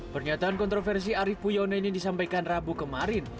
pernyataan kontroversi ariefo yuwono ini disampaikan rabu kemarin